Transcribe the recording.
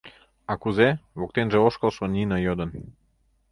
А кузе? — воктенже ошкылшо Нина йодын.